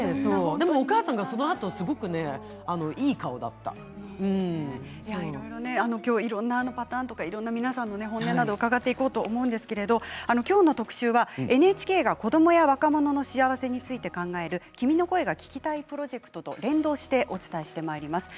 お母さんが今日はいろんなパターンとか皆さんの本音を伺っていこうと思いますが、今日の特集はＮＨＫが子どもや若者の幸せについて考える「君の声が聴きたい」プロジェクトと連動してお伝えしてまいります。